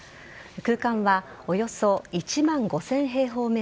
空間はおよそ１万５０００平方ｍ。